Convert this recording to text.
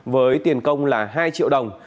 với tiền công là hai triệu đồng